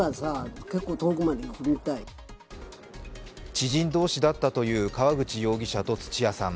知人同士だったという川口容疑者と土屋さん。